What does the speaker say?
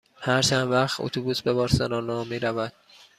هر چند وقت اتوبوس به بارسلونا می رود؟